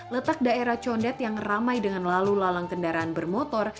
letak daerah condet yang ramai dengan lalu lalang kendaraan bermotor